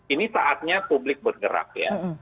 ini saatnya publik bergerak ya